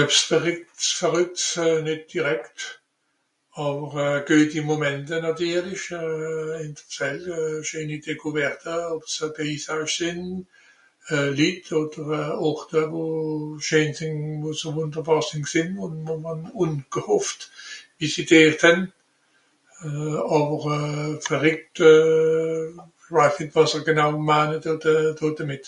Ebbs verrìckts verrückts nìt direkt, àwer güeti Momente nàtirlich ìn de Zel... scheeni Découverte, ob se Paysage sìnn, Litt odder Orte wo scheen sìnn... wo so wùnderbàr sìnn gsìnn, ùn Moman... ùn (...) wie sie dert hän. Àwer verrìckt ìch weis nìt wàs genau maane d... d... dodemìt.